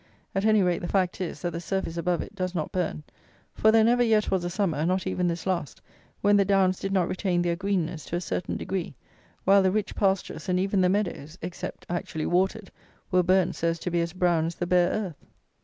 At any rate the fact is, that the surface above it does not burn; for there never yet was a summer, not even this last, when the downs did not retain their greenness to a certain degree, while the rich pastures, and even the meadows (except actually watered) were burnt so as to be as brown as the bare earth.